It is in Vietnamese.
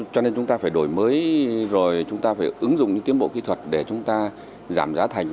cho nên chúng ta phải đổi mới rồi chúng ta phải ứng dụng những tiến bộ kỹ thuật để chúng ta giảm giá thành